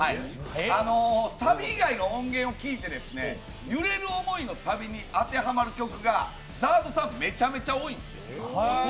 サビ以外の音源を聞いて「揺れる想い」のサビに当てはまる曲がＺＡＲＤさん、めちゃめちゃ多いんです